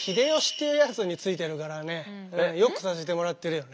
今はねよくさせてもらってるよね。